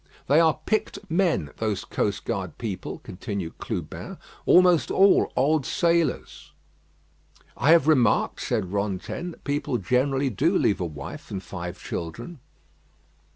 "They are picked men those coast guard people," continued Clubin; "almost all old sailors." "I have remarked," said Rantaine, "that people generally do leave a wife and five children."